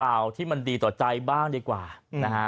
ข่าวที่มันดีต่อใจบ้างดีกว่านะฮะ